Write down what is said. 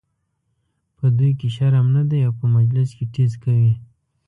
په دوی کې شرم نه دی او په مجلس کې ټیز کوي.